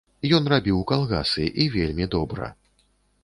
Ён рабіў калгасы і вельмі добра.